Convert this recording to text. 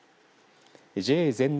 ＪＡ全農